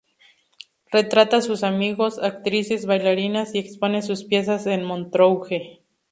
Retrata a sus amigos, actrices, bailarinas, y expone sus piezas en Montrouge.